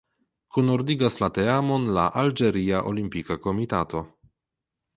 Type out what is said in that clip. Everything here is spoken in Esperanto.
Kunordigas la teamon la Alĝeria Olimpika Komitato.